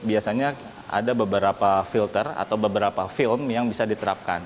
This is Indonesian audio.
biasanya ada beberapa filter atau beberapa film yang bisa diterapkan